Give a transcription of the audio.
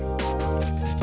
aku pergi dulu